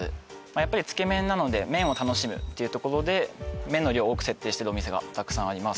やっぱりつけ麺なので麺を楽しむというところで麺の量を多く設定しているお店がたくさんあります